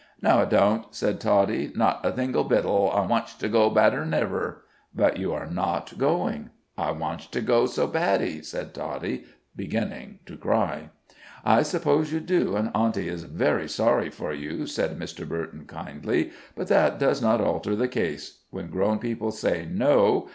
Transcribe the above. "No, it don't," said Toddie, "not a single bittle. I wantsh to go badder than ever." "But you are not going." "I wantsh to go so baddy," said Toddy, beginning to cry. "I suppose you do, and auntie is very sorry for you," said Mr. Burton, kindly; "but that does not alter the case. When grown people say 'No!'